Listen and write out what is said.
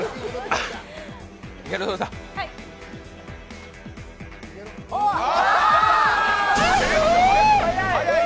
あっ、辛い！